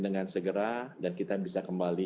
dengan segera dan kita bisa kembali